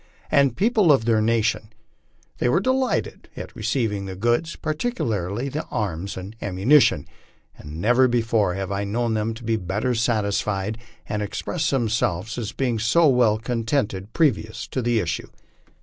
G. A. C.] and people of their nation; they were delighted at receiving the goods, particularly the arms and ammunition, and never before have I known them to be better satisfied and express themselves as being so well contented previous to the issue.